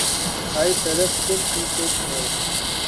ہر طرف چپ ہی چپ ہو۔